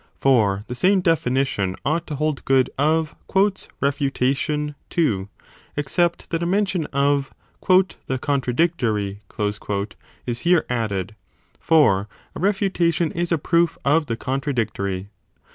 For the same definition ought to hold good of refutation 35 too, except that a mention of the contradictory is here added : for a refutation is a proof of the contradictory.